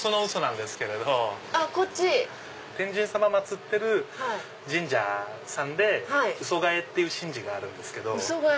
天神様祭ってる神社さんで鷽替えっていう神事があるんですけど。